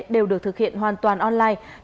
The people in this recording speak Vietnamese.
đều được thực hiện hoàn toàn online